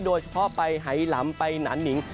โดยเฉพาะไปไหลำไปหนานนิง